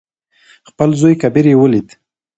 خپل زوى کبير يې ولېد.